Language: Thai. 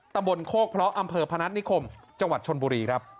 ตะบนโคกเพราะอำเภอพนัฐนิคมจังหวัดชนบุรีครับ